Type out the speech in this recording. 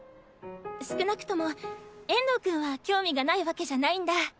少なくとも遠藤くんは興味がないわけじゃないんだ。